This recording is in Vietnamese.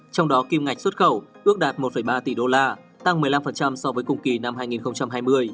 trong đó kim ngạch xuất khẩu ước đạt một ba tỷ đô la tăng một mươi năm so với cùng kỳ năm hai nghìn hai mươi